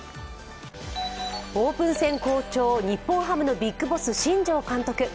オープン戦好調、日本ハムのビッグボス・新庄監督。